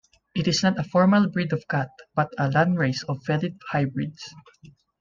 It is not a formal breed of cat, but a landrace of felid hybrids.